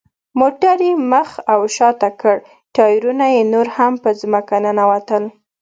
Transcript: موټر یې مخ ته او شاته کړ، ټایرونه یې نور هم په ځمکه ننوتل.